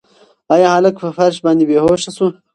ایا هلک په فرش باندې بې هوښه شو؟